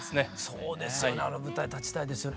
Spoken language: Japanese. そうですよねあの舞台立ちたいですよね。